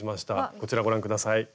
こちらをご覧下さい。